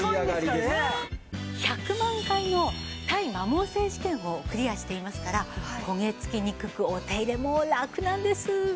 １００万回の耐摩耗性試験をクリアしていますからこげつきにくくお手入れもラクなんです。